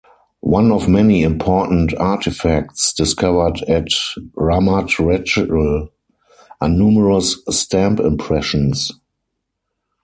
One of many important artifacts discovered at Ramat Rachel are numerous stamp impressions.